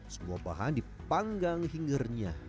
semua bahan dipanggang hinggarnya